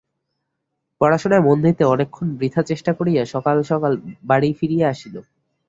পড়াশুনায় মন দিতে অনেকক্ষণ বৃথা চেষ্টা করিয়া সকাল সকাল বাড়ি ফিরিয়া আসিল।